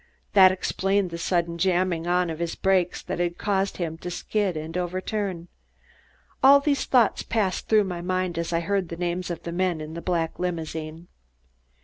That explained the sudden jamming on of his brakes that had caused him to skid and overturn. All these thoughts passed through my mind as I heard the names of the men in the black limousine.